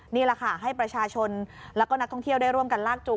นี่แหละค่ะให้ประชาชนแล้วก็นักท่องเที่ยวได้ร่วมกันลากจูง